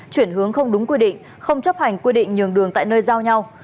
chuyển hướng không đúng quy định không chấp hành quy định nhường đường tại nơi giao nhau